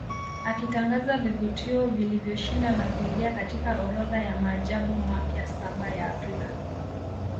Akitangaza vivutio vilivyoshinda na kuingia katika orodha ya maajabu mapya saba ya Afrika